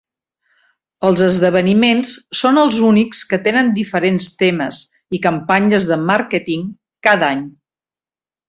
Els esdeveniments són els únics que tenen diferents temes i campanyes de màrqueting cada any.